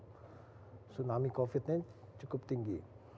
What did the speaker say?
tsunami covid nya cukup tinggi